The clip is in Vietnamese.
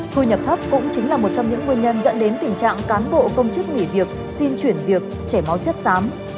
thu nhập thấp cũng chính là một trong những nguyên nhân dẫn đến tình trạng cán bộ công chức nghỉ việc xin chuyển việc chảy máu chất xám